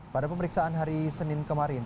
pada pemeriksaan hari senin kemarin